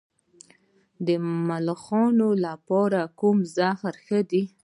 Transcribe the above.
د ملخانو لپاره کوم زهر ښه دي؟